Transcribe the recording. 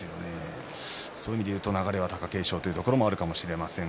そういう意味でいうと流れは貴景勝というところになるかもしれません。